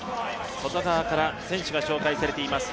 外側から選手が紹介されています。